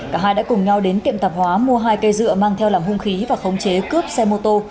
cả hai đã cùng nhau đến kiệm tạp hóa mua hai cây dựa mang theo làm hung khí và khống chế cướp xe mô tô